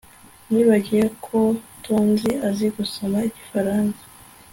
Nibagiwe kotonzi azi gusoma igifaransa